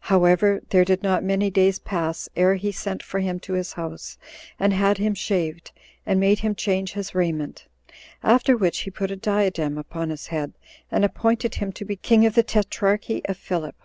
However, there did not many days pass ere he sent for him to his house, and had him shaved, and made him change his raiment; after which he put a diadem upon his head, and appointed him to be king of the tetrarchy of Philip.